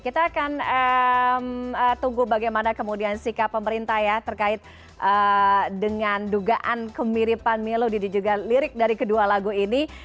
kita akan tunggu bagaimana kemudian sikap pemerintah ya terkait dengan dugaan kemiripan milo ini juga lirik dari kedua lagu ini